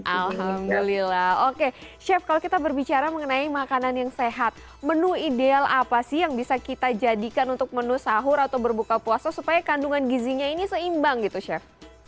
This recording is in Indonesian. alhamdulillah oke chef kalau kita berbicara mengenai makanan yang sehat menu ideal apa sih yang bisa kita jadikan untuk menu sahur atau berbuka puasa supaya kandungan gizinya ini seimbang gitu chef